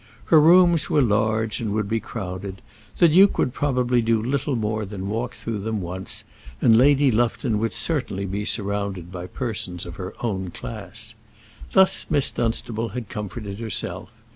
Her rooms were large and would be crowded; the duke would probably do little more than walk through them once, and Lady Lufton would certainly be surrounded by persons of her own class. Thus Miss Dunstable had comforted herself.